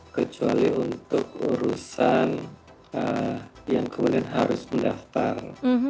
kecuali untuk urusan yang kemudian harus mendaftar